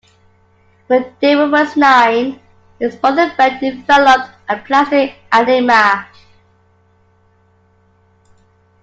When David was nine, his brother Brent developed aplastic anemia.